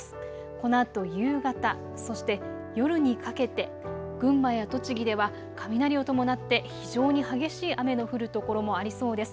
このあと夕方、そして夜にかけて群馬や栃木では雷を伴って非常に激しい雨の降る所もありそうです。